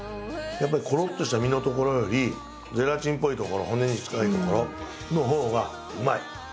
やっぱりコロッとした身のところよりゼラチンっぽいところ骨に近いところのほうがうまい。